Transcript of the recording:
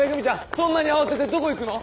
そんなに慌ててどこ行くの！？